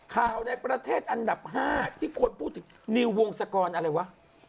ในประเทศอันดับ๕ที่คนพูดถึงนิววงศกรอะไรวะ